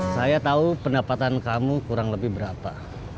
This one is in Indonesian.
saya tahu pendapatan kamu kurang lebih berapa